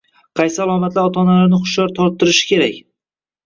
Qaysi alomatlar ota-onalarni hushyor torttirishi kerak?